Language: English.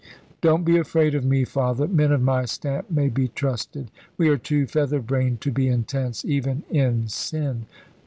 "Don't be afraid of me, Father. Men of my stamp may be trusted. We are too feather brained to be intense, even in sin.